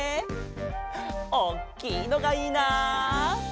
おっきいのがいいな。